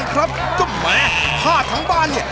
ข้างหน้าซะเนี่ย